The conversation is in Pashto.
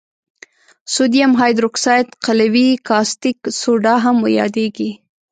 سودیم هایدروکساید قلوي کاستیک سوډا هم یادیږي.